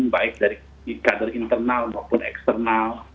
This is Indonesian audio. baik dari kader internal maupun eksternal